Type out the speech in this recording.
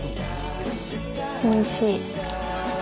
おいしい。